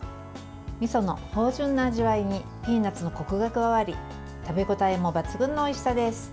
みその芳じゅんな味わいにピーナツのこくが加わり食べ応えも抜群のおいしさです。